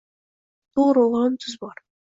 Toʻgʻri oʻgʻlim tuz bor